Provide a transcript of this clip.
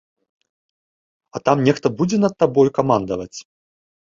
А там нехта будзе над табою камандаваць?